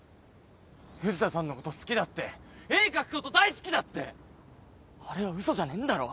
藤田さんのこと好きだって絵描くこと大好きだってあれは嘘じゃねえんだろ？